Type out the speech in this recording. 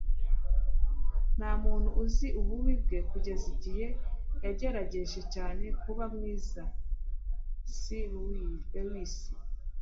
nta muntu uzi ububi bwe kugeza igihe yagerageje cyane kuba mwiza - c s lewis